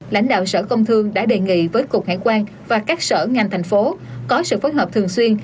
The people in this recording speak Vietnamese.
lãnh đạo sở công thương đã đề nghị với cục hải quan và các sở ngành thành phố có sự phối hợp thường xuyên